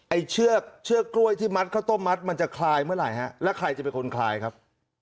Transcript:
เชือกเชือกกล้วยที่มัดข้าวต้มมัดมันจะคลายเมื่อไหร่ฮะแล้วใครจะเป็นคนคลายครับ